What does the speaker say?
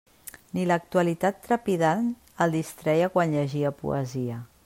Ni l'actualitat trepidant el distreia quan llegia poesia.